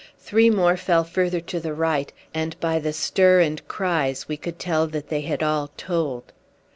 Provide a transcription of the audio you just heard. Three more fell further to the right, and by the stir and cries we could tell that they had all told.